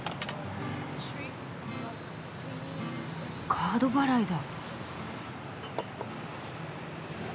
カード払いだ。